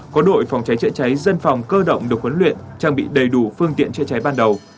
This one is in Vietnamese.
có đội phòng cháy chữa cháy dân phòng cơ động được huấn luyện trang bị đầy đủ phương tiện chữa cháy ban đầu